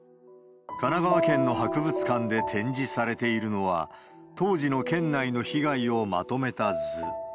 神奈川県の博物館で展示されているのは、当時の県内の被害をまとめた図。